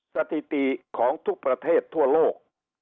สถิติของทุกประเทศทั่วโลก